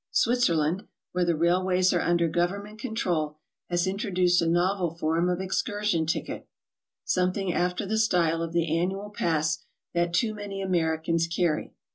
Switzerland, where the railways are under government control, has introduced a novel form of excursion ticket, something after the style of the annual pass that too many Americans carry.